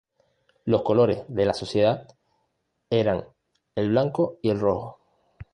Los colores de la sociedad eran el blanco y el rojo.